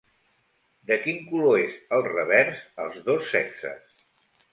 De quin color és el revers als dos sexes?